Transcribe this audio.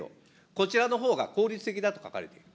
こちらのほうが効率的だと書かれている。